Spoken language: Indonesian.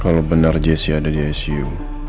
kalau bener jessie ada di su